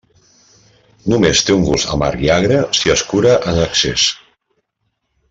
Només té un gust amarg i agre si es cura en excés.